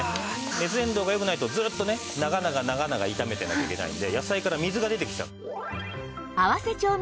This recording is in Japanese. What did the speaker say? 熱伝導が良くないとずっとね長々長々炒めてなきゃいけないんで野菜から水が出てきちゃう。